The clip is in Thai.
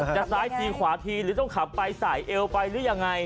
ซ้ายทีขวาทีหรือต้องขับไปสายเอวไปหรือยังไง